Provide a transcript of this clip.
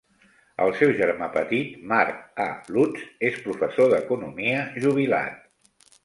El seu germà petit Mark A. Lutz és professor d'economia jubilat.